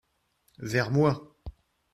Vers moi.